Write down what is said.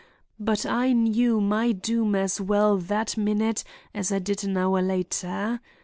But I knew my doom as well that minute as I did an hour later.